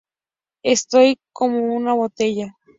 Estoy como una botella...